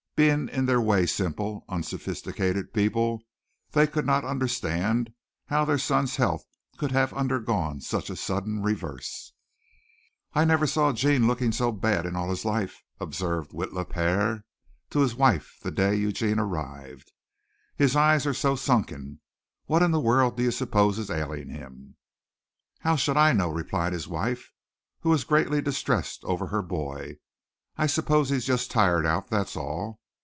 Being in their way simple, unsophisticated people, they could not understand how their son's health could have undergone such a sudden reverse. "I never saw Gene looking so bad in all his life," observed Witla pére to his wife the day Eugene arrived. "His eyes are so sunken. What in the world do you suppose is ailing him?" "How should I know?" replied his wife, who was greatly distressed over her boy. "I suppose he's just tired out, that's all.